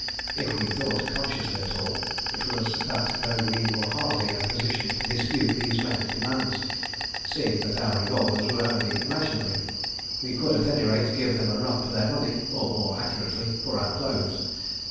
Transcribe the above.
If we thought consciously at all, it was that though we were hardly in a position to dispute these men's demands, seeing that our revolvers were only imaginary, we could at any rate give them a run for their money or, more accurately, for our clothes.